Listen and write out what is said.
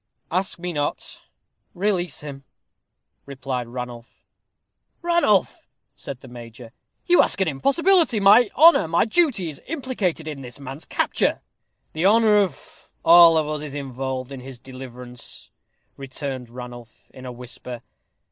"Ask me not. Release him," replied Ranulph. "Ranulph," said the major, "you ask an impossibility. My honor my duty is implicated in this man's capture." "The honor of all of us is involved in his deliverance," returned Ranulph, in a whisper.